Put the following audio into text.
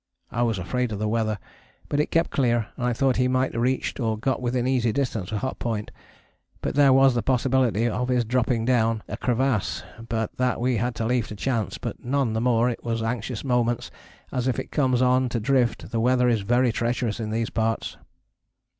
I was afraid of the weather, but it kept clear and I thought he might have reached or got within easy distance of Hut Point; but there was the possibility of his dropping down a crevasse, but that we had to leave to chance, but none the more it was anxious moments as if it comes on to drift the weather is very treacherous in these parts.